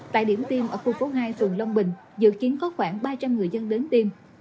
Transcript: tại điểm tiêm ở khu phố hai phường long bình dự kiến có khoảng ba trăm linh người dân đến tiêm